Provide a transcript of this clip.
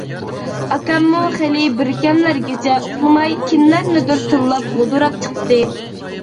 ئاكاممۇ خېلى بىركەملەرگىچە ئۇخلىماي كىملەرنىدۇر تىللاپ غودۇراپ چىقتى.